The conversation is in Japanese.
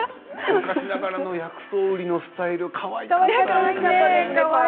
昔ながらの薬草のスタイルかわいかったですね